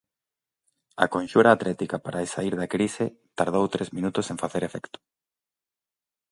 A conxura atlética para saír da crise tardou tres minutos en facer efecto.